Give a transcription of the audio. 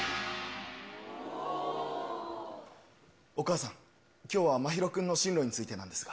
お母さん、きょうは真宙君の進路についてなんですが。